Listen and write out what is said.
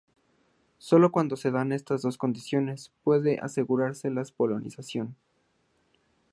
Sólo cuando se dan estas dos condiciones puede asegurarse la polinización.